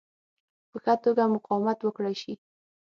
په ښه توګه مقاومت وکړای شي.